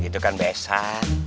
itu kan besan